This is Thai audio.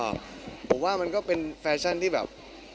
ผมว่ามันก็เป็นแฟชั่นที่แบบ